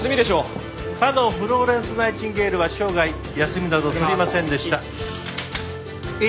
かのフローレンス・ナイチンゲールは生涯休みなど取りませんでした。